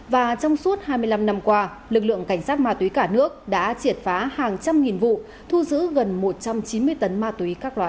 và trong suốt hai mươi năm năm qua lực lượng cảnh sát ma túy cả nước đã triệt phá hàng trăm nghìn vụ thu giữ gần một trăm chín mươi tấn ma túy các loại